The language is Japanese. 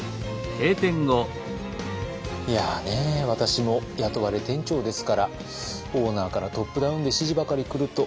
いやね私も雇われ店長ですからオーナーからトップダウンで指示ばかり来ると